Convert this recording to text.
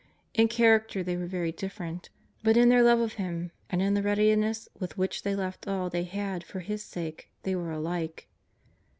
In character they were very different, but in their love of Him, and in the readiness with which they left all they had for His sake, they were alike.